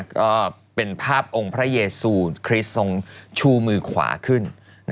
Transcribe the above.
ก็เป็นภาพองค์พระเยซูนคริสทรงชูมือขวาขึ้น